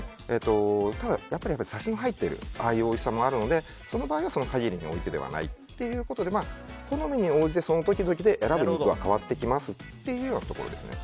ただ、やっぱりサシの入っているおいしさもあるのでその場合はその限りではないということで好みに応じてその時々で選ぶ肉は変わってきますというようなところですね。